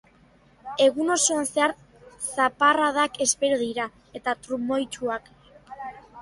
Egun osoan zehar zaparradak espero dira, eta trumoitsuak.